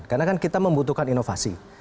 karena kan kita membutuhkan inovasi